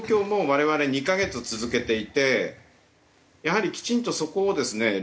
もう我々２カ月続けていてやはりきちんとそこをですね